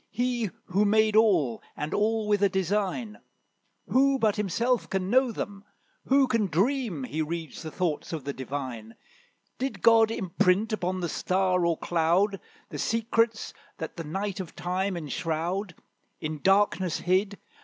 He who made all, and all with a design; Who but himself can know them? who can dream He reads the thoughts of the Divine, Did God imprint upon the star or cloud The secrets that the night of Time enshroud, In darkness hid?